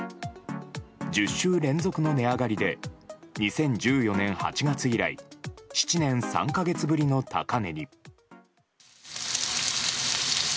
１０週連続の値上がりで２０１４年８月以来７年３か月ぶりの高値に。